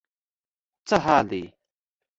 څه حال دی.